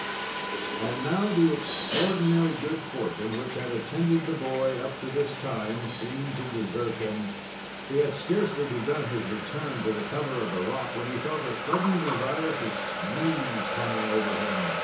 And now the extraordinary good fortune which had attended the boy up to this time seemed to desert him. He had scarcely begun his return to the cover of the rock, when he felt a sudden desire to sneeze coming over him.